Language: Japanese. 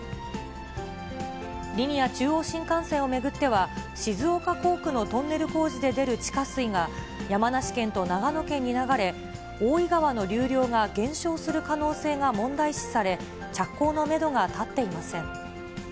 リニア中央新幹線を巡っては、静岡工区のトンネル工事で出る地下水が、山梨県と長野県に流れ、大井川の流量が減少する可能性が問題視され、着工のメドが立っていません。